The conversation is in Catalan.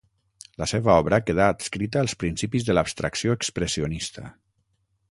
La seva obra quedà adscrita als principis de l'abstracció expressionista.